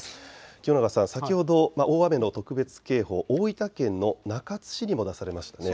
清永さん、先ほど大雨の特別警報大分県の中津市にも出されましたね。